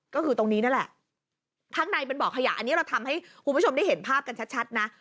ก็คือตรงนี้นั่นแหละข้างในเป็นบ่อขยะอันนี้เราทำให้คุณผู้ชมได้เห็นภาพกันชัดนะ